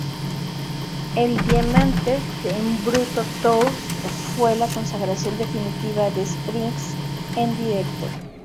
El "Diamantes en Bruto Tour", fue la consagración definitiva de Sphinx en directo.